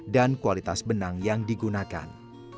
dan kualitas benang yang digunakan